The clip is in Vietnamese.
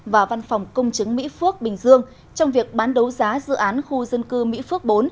và văn phòng công chứng mỹ phước bình dương trong việc bán đấu giá dự án khu dân cư mỹ phước bốn